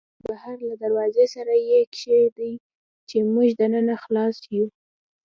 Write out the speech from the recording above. همالته بهر له دروازې سره یې کېږدئ، چې موږ دننه خلاص یو.